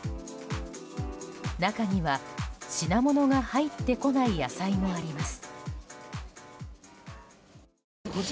中には品物が入ってこない野菜もあります。